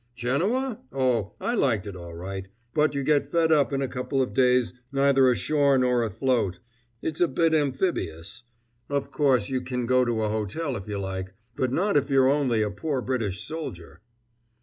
"Genoa? Oh, I liked it all right, but you get fed up in a couple of days neither ashore nor afloat. It's a bit amphibious. Of course you can go to a hotel, if you like; but not if you're only a poor British soldier."